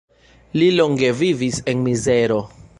Li longe vivis en mizero.